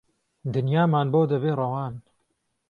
دنیامان بۆ دهبێ ڕەوان